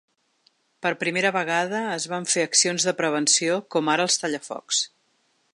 Per primera vegada es van fer accions de prevenció com ara els tallafocs.